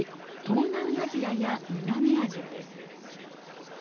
東南アジアや南アジアです。